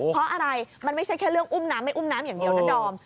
เพราะอะไรมันไม่ใช่แค่เรื่องอุ้มน้ำไม่อุ้มน้ำอย่างเดียวนะดอม